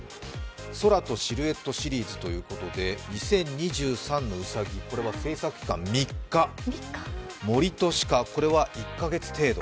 空とシルエットシリーズということで、２０２３年のうさぎ、これは制作期間３日、「森と鹿」は１か月程度。